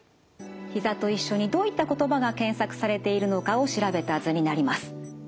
「ひざ」と一緒にどういった言葉が検索されているのかを調べた図になります。